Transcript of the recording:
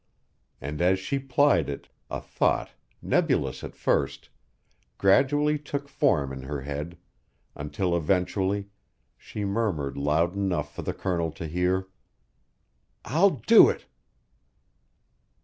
And as she plied it, a thought, nebulous at first, gradually took form in her head until eventually she murmured loud enough for the Colonel to hear: "I'll do it."